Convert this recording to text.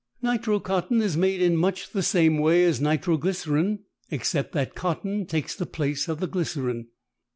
Nitro cotton is made in much the same way as nitro glycerine, except that cotton takes the place of the glycerine.